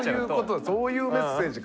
そういうメッセージか。